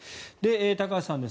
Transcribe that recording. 高橋さんです。